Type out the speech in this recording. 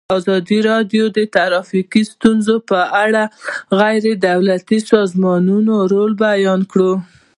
ازادي راډیو د ټرافیکي ستونزې په اړه د غیر دولتي سازمانونو رول بیان کړی.